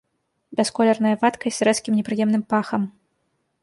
Бясколерная вадкасць з рэзкім непрыемным пахам.